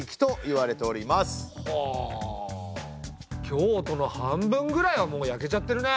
京都の半分ぐらいはもう焼けちゃってるね。